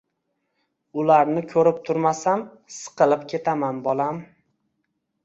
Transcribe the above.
Ularni ko‘rib turmasam, siqilib ketaman, bolam”